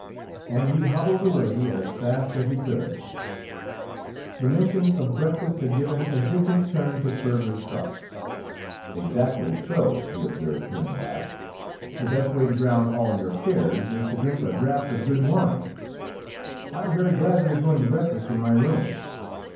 And he hobbled away as fast as he could. The mention of breakfast had given a different turn to Sperver's thoughts. "Exactly so," he observed, turning back; "the best way to drown all your cares is to drink a draught of good wine. I am very glad we are going to breakfast in my room.